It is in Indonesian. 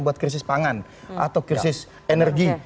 buat krisis pangan atau krisis energi